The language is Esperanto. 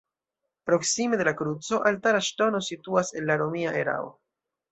Proksime de la kruco altara ŝtono situas el la romia erao.